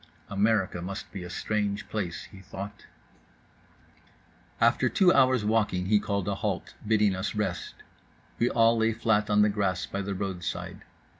America must be a strange place, he thought…. After two hours walking he called a halt, bidding us rest. We all lay flat on the grass by the roadside.